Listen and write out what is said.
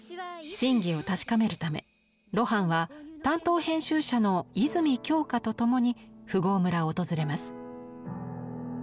真偽を確かめるため露伴は担当編集者の泉京香と共に富豪村を訪れます。